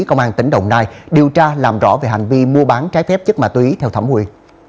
công an tỉnh đồng nai điều tra làm rõ về hành vi mua bán trái phép chất ma túy theo thẩm quyền